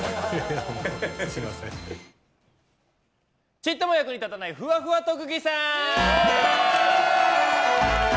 ちっとも役に立たないふわふわ特技さん。